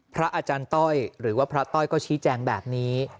พระอาจารย์ต้อยหรือว่าพระต้อยก็ชี้แจงแบบนี้